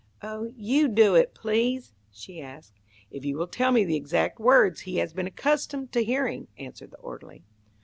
"Oh, you do it, please," she asked. "If you will tell me the exact words he has been accustomed to hearing," answered the orderly.